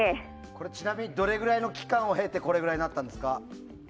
ちなみにどれくらいの期間を経てこれぐらいになったんですか？